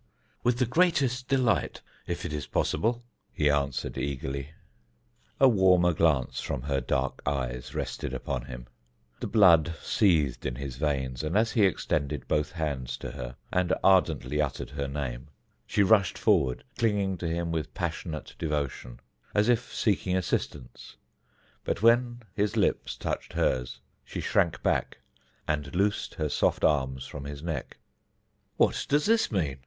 "With the greatest delight, if it is possible," he answered eagerly. A warmer glance from her dark eyes rested upon him. The blood seethed in his veins, and as he extended both hands to her and ardently uttered her name, she rushed forward, clinging to him with passionate devotion, as if seeking assistance, but when his lips touched hers she shrank back and loosed her soft arms from his neck. "What does this mean?"